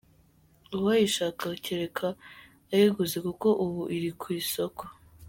Uwayishaka kereka ayiguze kuko ubu iri ku isoko.